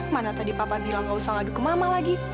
mana tadi papa bilang gak usah ngadu ke mama lagi